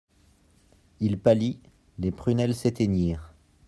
Il pâlit, les prunelles s'éteignirent.